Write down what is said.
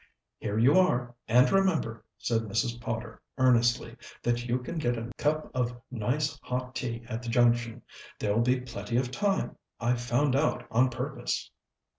"Here you are, and remember," said Mrs. Potter earnestly, "that you can get a cup of nice hot tea at the Junction. There'll be plenty of time; I found out on purpose."